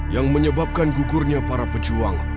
yang menyebabkan gugurnya para pejuang